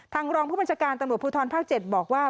ทางรองผู้บริษัทการตำรวจพูดทรภาค๗บอกว่า